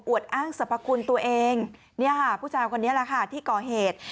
อ้างสรรพคุณตัวเองเนี่ยค่ะผู้ชายคนนี้แหละค่ะที่ก่อเหตุ